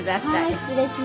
はい失礼します。